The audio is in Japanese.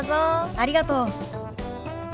ありがとう。